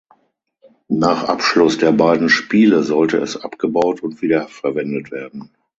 Nach Abschluss der beiden Spiele sollte es abgebaut und wiederverwendet werden.